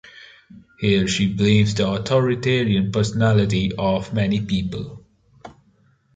Here she blames the authoritarian personality of many people.